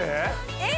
えっ？